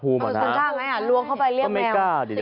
ก็ไม่กล้าลวงเข้าไปเรียกแมว